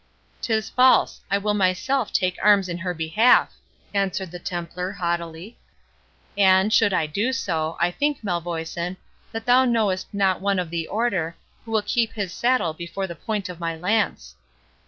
"'Tis false—I will myself take arms in her behalf," answered the Templar, haughtily; "and, should I do so, I think, Malvoisin, that thou knowest not one of the Order, who will keep his saddle before the point of my lance."